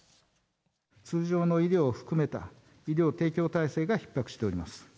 通常の医療を含めた医療提供体制がひっ迫しております。